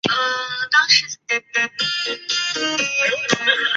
现定居于新北市。